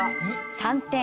３点。